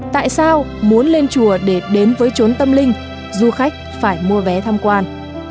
tại sao muốn lên chùa để đến với trốn tâm linh du khách phải mua vé tham quan